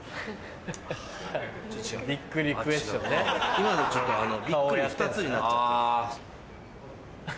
今のちょっとビックリ２つになっちゃって。